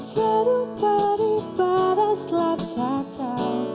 terupadi pada selat sata